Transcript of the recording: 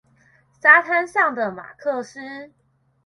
沙灘上的馬克思